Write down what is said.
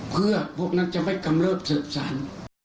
เพื่อพวกนั้นจะไม่กำลับเสิร์ฟสรรค์